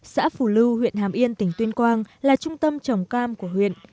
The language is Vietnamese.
xã phù lưu huyện hàm yên tỉnh tuyên quang là trung tâm trồng cam của huyện